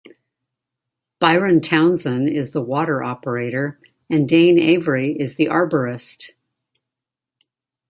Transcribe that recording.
Byron Townsend is the water operator, and Dane Avery is the arborist.